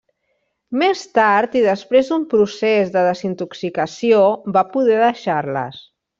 Més tard i després d'un procés de desintoxicació va poder deixar-les.